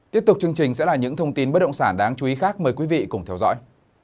tiếp tục chương trình sẽ là những thông tin bất động sản đáng chú ý khác mời quý vị cùng theo dõi